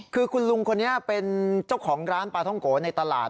คือคุณลุงคนนี้เป็นเจ้าของร้านปลาท่องโกะในตลาด